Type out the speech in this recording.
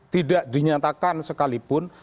tidak dinyatakan sekalipun